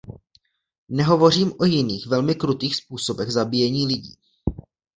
Nehovořím o jiných velmi krutých způsobech zabíjení lidí.